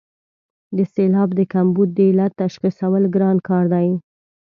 د سېلاب د کمبود د علت تشخیصول ګران کار دی.